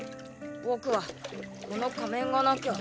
僕はこの仮面がなきゃ。